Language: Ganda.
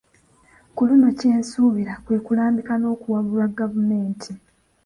Ku luno kye nsuubira kwe kulambika n'okuwabula Gavumenti